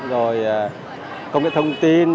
rồi công nghệ thông tin